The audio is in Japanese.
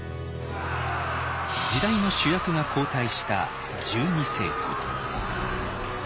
時代の主役が交代した１２世紀。